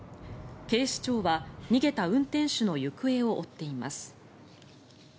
警視庁は、逃げた運転手の行方を追っています。